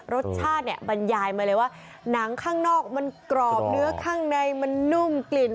รสชาติเนี่ยบรรยายมาเลยว่าหนังข้างนอกมันกรอบเนื้อข้างในมันนุ่มกลิ่น